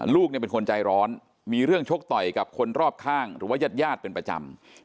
ลูกเนี่ยเป็นคนใจร้อนมีเรื่องชกต่อยกับคนรอบข้างหรือว่ายาดเป็นประจำ